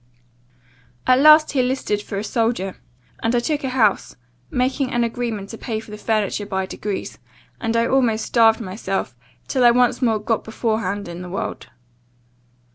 "'At last he listed for a soldier, and I took a house, making an agreement to pay for the furniture by degrees; and I almost starved myself, till I once more got before hand in the world.